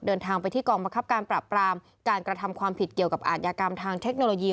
เดินทางไปที่กองบังคับการปรับปรามการกระทำความผิดเกี่ยวกับอาทยากรรมทางเทคโนโลยี